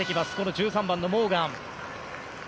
１３番のモーガン。